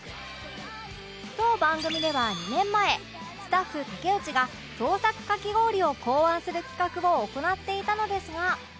当番組では２年前スタッフ武内が創作かき氷を考案する企画を行っていたのですが